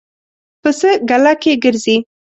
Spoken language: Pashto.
پسه ګله کې ګرځي.